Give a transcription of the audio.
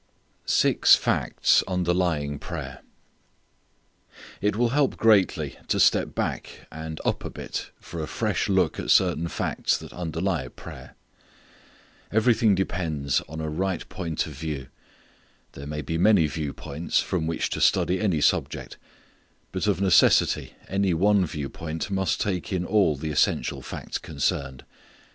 Six Facts Underlying Prayer. It will help greatly to step back and up a bit for a fresh look at certain facts that underlie prayer. Everything depends on a right point of view. There may be many view points, from which to study any subject; but of necessity any one view point must take in all the essential facts concerned.